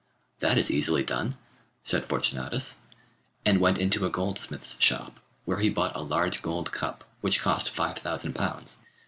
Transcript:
'That is easily done,' said Fortunatus, and went into a goldsmith's shop, where he bought a large gold cup, which cost five thousand pounds.